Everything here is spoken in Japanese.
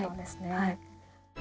はい。